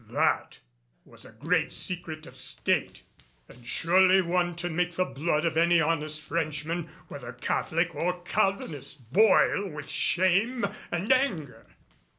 That was a great secret of State and surely one to make the blood of any honest Frenchman, whether Catholic or Calvinist, boil with shame and anger.